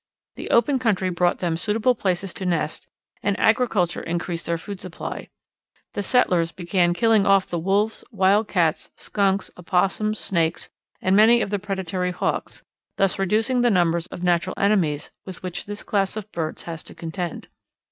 The open country brought them suitable places to nest, and agriculture increased their food supply. The settlers began killing off the wolves, wild cats, skunks, opossums, snakes, and many of the predatory Hawks, thus reducing the numbers of natural enemies with which this class of birds has to contend.